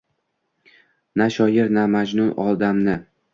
Na shoir, na Majnun odamni.